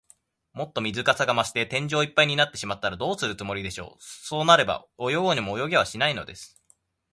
もっと水かさが増して、天井いっぱいになってしまったら、どうするつもりでしょう。そうなれば、泳ごうにも泳げはしないのです。